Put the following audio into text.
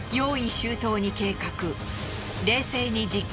周到に計画。